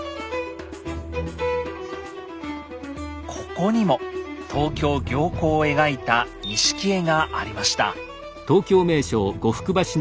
ここにも東京行幸を描いた錦絵がありました。